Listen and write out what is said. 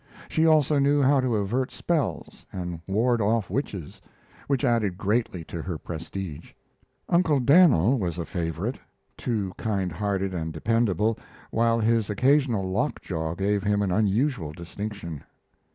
She also knew how to avert spells and ward off witches, which added greatly to her prestige. Uncle Dan'l was a favorite, too kind hearted and dependable, while his occasional lockjaw gave him an unusual distinction.